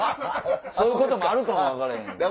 そういうこともあるかも分からへん。